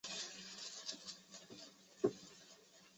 我们养他长大到现在